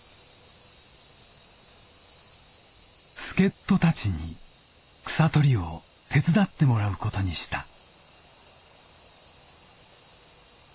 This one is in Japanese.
助っとたちに草取りを手伝ってもらうことにした。